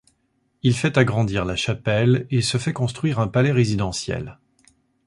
Il fait agrandir la chapelle et se fait construire un palais résidentiel.